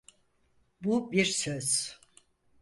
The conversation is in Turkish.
Bu bir söz.